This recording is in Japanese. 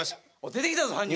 出てきたぞ犯人。